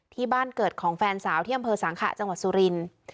ที่บ้านเกิดของแฟนสาวที่อำเภอสังขะจังหวัดสุรินทร์